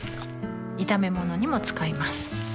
炒め物にも使います